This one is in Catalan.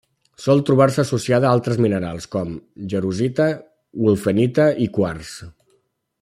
Sol trobar-se associada a altres minerals com: jarosita, wulfenita i quars.